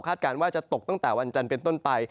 การว่าจะตกตั้งแต่วันจันทร์เป็นต้นไป